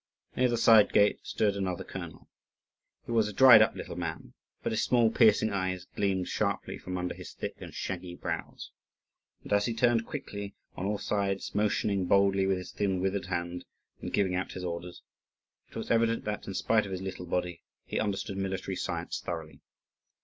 Near the side gate stood another colonel. He was a dried up little man, but his small, piercing eyes gleamed sharply from under his thick and shaggy brows, and as he turned quickly on all sides, motioning boldly with his thin, withered hand, and giving out his orders, it was evident that, in spite of his little body, he understood military science thoroughly.